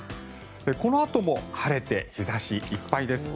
このあとも晴れて日差しいっぱいです。